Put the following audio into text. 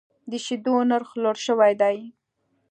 د شیدو نرخ لوړ شوی دی.